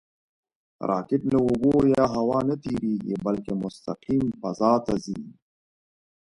راکټ له اوبو یا هوا نه نهتېرېږي، بلکې مستقیم فضا ته ځي